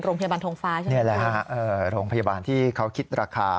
โรงพยาบาลทงฟ้าใช่ไหมนี่แหละฮะโรงพยาบาลที่เขาคิดราคา